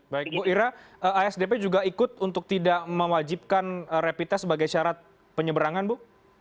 baik bu ira asdp juga ikut untuk tidak mewajibkan rapid test sebagai syarat penyeberangan bu